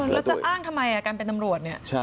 แล้วจะอ้างทำไมการเป็นตำรวจเนี่ย